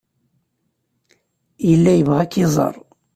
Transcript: Yella yebɣa ad k-iẓer.